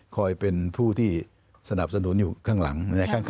คอยเป็นผู้ที่สนับสนุนอยู่ข้าง